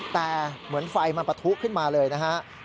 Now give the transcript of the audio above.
แต่เหมือนไฟมันปะทุขึ้นมาเลยนะฮะ